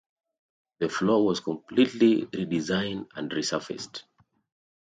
The floor was completely redesigned and resurfaced.